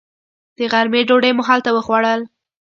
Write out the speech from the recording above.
د غرمې ډوډۍ مو هلته وخوړل.